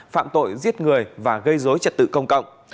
phạm tội giết người và gây dối trật tự công cộng